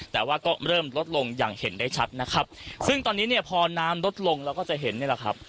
แต่ว่าก็เริ่มลดลงอย่างเห็นได้ชัดนะครับซึ่งตอนนี้เนี่ยพอน้ำลดลงเราก็จะเห็นนี่แหละครับ